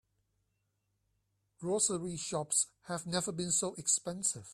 Grocery shops have never been so expensive.